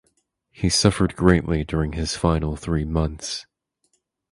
He suffered greatly during his final three months.